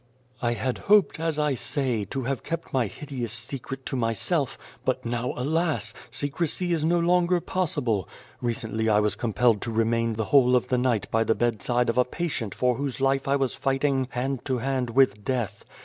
"' I had hoped, as I say, to have kept my hideous secret to myself, but now, alas ! secrecy is no longer possible. Recently I was compelled to remain the whole of the night by the bedside of a patient for whose life I was fighting hand to hand with death.